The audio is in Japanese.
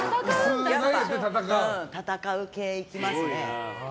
戦う系にいきますね。